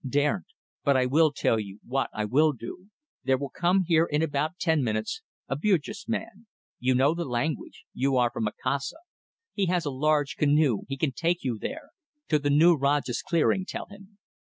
Daren't. But I will tell you what I will do. There will come here in about ten minutes a Bugis man you know the language; you are from Macassar. He has a large canoe; he can take you there. To the new Rajah's clearing, tell him.